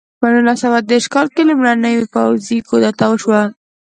په نولس سوه دېرش کال کې لومړنۍ پوځي کودتا وشوه.